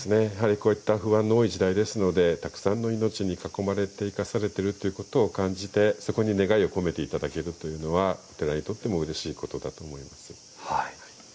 こういった不安の多い時代ですのでたくさんの命に囲まれて生かされているということをそこに願いを込めていただけるというのはうれしいことだと思います。